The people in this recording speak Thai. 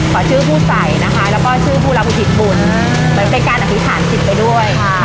ขอชื่อผู้ใส่นะคะแล้วก็ชื่อผู้รับวิถีบุญมันเป็นการอภิษฐานศิลป์ไปด้วย